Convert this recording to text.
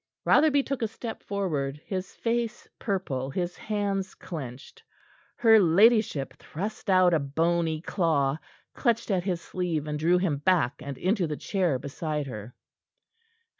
Rotherby took a step forward, his face purple, his hands clenched. Her ladyship thrust out a bony claw, clutched at his sleeve, and drew him back and into the chair beside her.